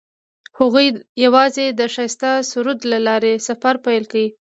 هغوی یوځای د ښایسته سرود له لارې سفر پیل کړ.